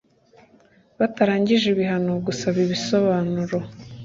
batarangije ibihano gusaba ibisobanuro